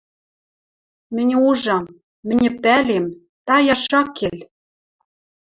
Мӹньӹ ужам, мӹньӹ пӓлем, таяш ак кел